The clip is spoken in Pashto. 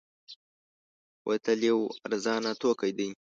بوتل یو ارزانه توکی دی.